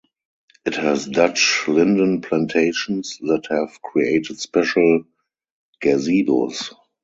It has Dutch linden plantations that have created special gazebos.